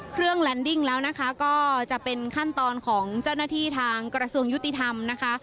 แลนดิ้งแล้วนะคะก็จะเป็นขั้นตอนของเจ้าหน้าที่ทางกระทรวงยุติธรรมนะคะ